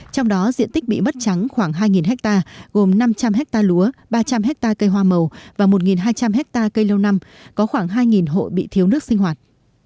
trong đó diện tích bị mất trắng khoảng hai hectare gồm năm trăm linh hectare lúa ba trăm linh hectare cây hoa màu và một hai trăm linh hectare cây lâu năm có khoảng hai hộ bị thiếu nước sinh hoạt